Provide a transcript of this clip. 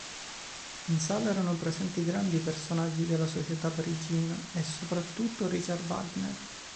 In sala erano presenti grandi personaggi della società parigina e soprattutto Richard Wagner.